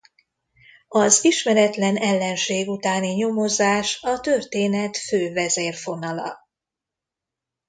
Az ismeretlen ellenség utáni nyomozás a történet fő vezérfonala.